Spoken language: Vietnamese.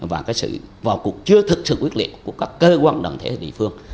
và sự vào cuộc chưa thực sự quyết liệt của các cơ quan đoàn thể địa phương